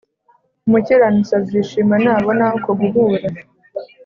Umukiranutsi azishima nabona uko guhura